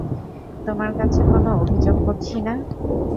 তোমার কাছে কোন অভিযোগ করছি না?